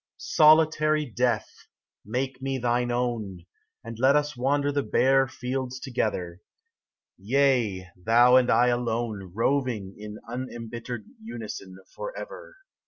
SOLITARY Death, make me thine own. And let us wander the bare fields together ; Yea, thou and I alone, Roving in unembittered unison forever.